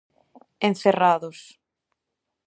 Encerrados.